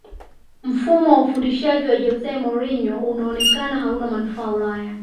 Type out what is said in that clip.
mfumo wa ufundishaji wa jose mourinho unaonekana hauna manufaa ulaya